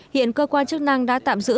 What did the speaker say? hiện cơ quan chức năng đã tạm giữ